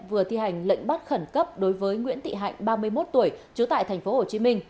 vừa thi hành lệnh bắt khẩn cấp đối với nguyễn thị hạnh ba mươi một tuổi trú tại tp hcm